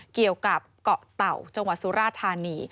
เกี่ยวกับเกาะเต่าจังหวัดสุราธานี